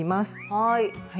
はい。